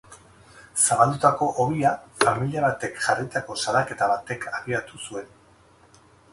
Zabaldutako hobia familia batek jarritako salaketa batek abiatu zuen.